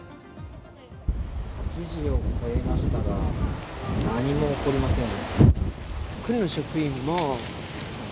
８時を越えましたが何も起こりません。